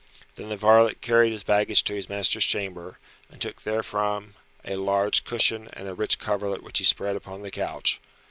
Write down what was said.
Then the varlet carried his baggage to his master's chamber, and took therefrom a large cushion and a rich coverlet which he spread upon the couch.